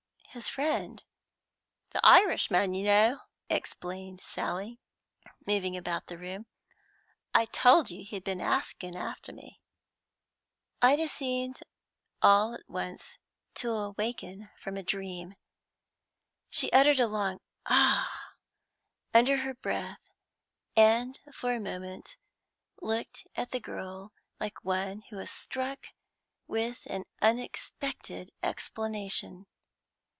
"His friend?" "The Irishman, you know," explained Sally, moving about the room. "I told you he'd been asking after me." Ida seemed all at once to awake from a dream. She uttered a long "Ah!" under her breath, and for a moment looked at the girl like one who is struck with an unexpected explanation.